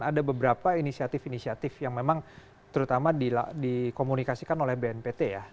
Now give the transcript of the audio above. ada beberapa inisiatif inisiatif yang memang terutama dikomunikasikan oleh bnpt ya